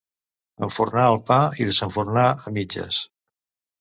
Enfornar el pa i desenfornar a mitges.